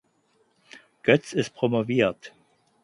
Götz ist promoviert.